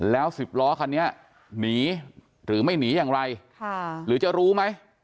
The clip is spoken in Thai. แล้ว๑๐ล้อคันนี้หนีหรือไม่หนีอย่างไรหรือจะรู้ไหม